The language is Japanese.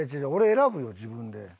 俺選ぶよ自分で。